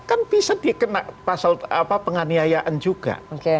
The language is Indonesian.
kan bisa dikena pasal penganiayaan juga